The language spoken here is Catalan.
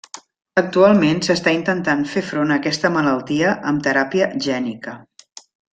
Actualment s’està intentant fer front a aquesta malaltia amb teràpia gènica.